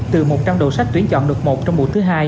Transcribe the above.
từ một trong đầu sách tuyển chọn được một trong buổi thứ hai